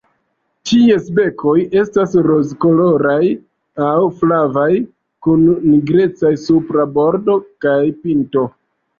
Ties bekoj estas rozkoloraj aŭ flavaj kun nigrecaj supra bordo kaj pinto.